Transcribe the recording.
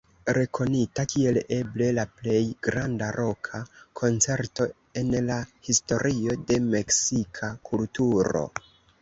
Rekonita kiel eble la plej granda roka koncerto en la historio de meksika kulturo.